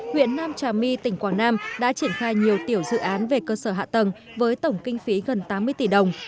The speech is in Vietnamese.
huyện nam trà my tỉnh quảng nam đã triển khai nhiều tiểu dự án về cơ sở hạ tầng với tổng kinh phí gần tám mươi tỷ đồng